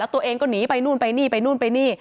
ตัวเองก็หนีไปนู่นไปนี่ไปนู่นไปนี่